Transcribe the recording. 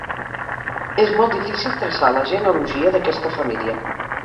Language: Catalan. És molt difícil traçar la genealogia d'aquesta família.